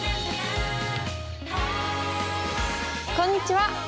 こんにちは！